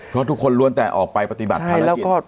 เพราะทุกคนล้วนแต่ออกไปปฏิบัติภารกิจ